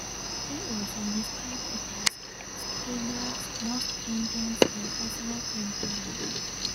He also described it as "Spielberg's most intense and personal film to date".